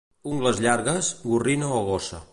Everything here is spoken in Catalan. Ungles llargues, gorrina o gossa.